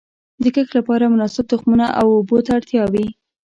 د کښت لپاره مناسب تخمونو او اوبو ته اړتیا وي.